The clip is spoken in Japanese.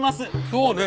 そうね。